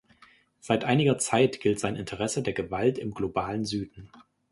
Seit einiger Zeit gilt sein Interesse der Gewalt im Globalen Süden.